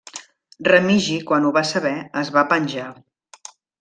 Remigi, quan ho va saber, es va penjar.